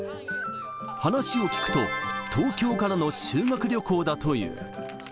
話を聞くと、東京からの修学旅行だという。